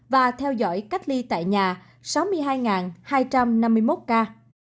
và theo dõi cách ly tại nhà sáu mươi hai hai trăm năm mươi một ca